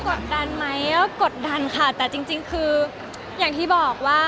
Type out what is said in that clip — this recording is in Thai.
กดดันไหมก็กดดันค่ะแต่จริงคืออย่างที่บอกว่า